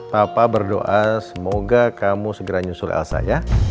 papa berdoa semoga kamu segera nyusul elsa ya